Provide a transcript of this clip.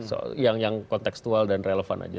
so yang konteksual dan relevan aja